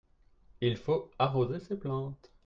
il faut arroser ces plantes.